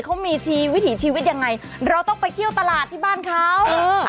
เขามีทีวิถีชีวิตยังไงเราต้องไปเที่ยวตลาดที่บ้านเขาเออ